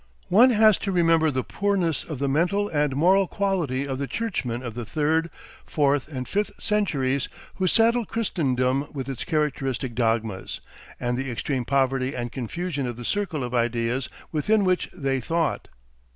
One has to remember the poorness of the mental and moral quality of the churchmen of the third, fourth, and fifth centuries who saddled Christendom with its characteristic dogmas, and the extreme poverty and confusion of the circle of ideas within which they thought.